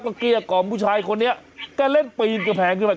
ก็เกลี้ยกล่อมผู้ชายคนนี้ก็เล่นปีนกระแผงขึ้นมา